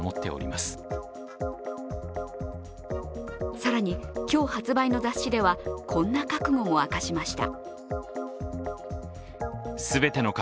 更に今日発売の雑誌ではこんな覚悟も明かしました。